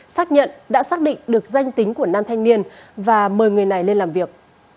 xác nhận đã xác định được danh tính của nam thanh niên và mời người này lên làm việc